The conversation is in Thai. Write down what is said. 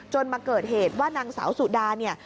มาเกิดเหตุว่านางสาวสุดาเนี่ย